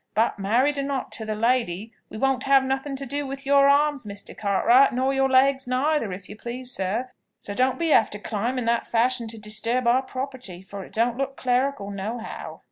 But, married or not to the lady, we won't have nothing to do with your arms, Mr. Cartwright, nor your legs, neither, if you please, sir; so don't be after climbing that fashion to disturb our property, for it don't look clerical nohow."